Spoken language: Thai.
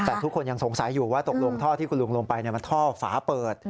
แต่ทุกคนยังสงสัยอยู่ว่าตกลงท่อที่คุณลุงลงไปมันท่อฝาเปิด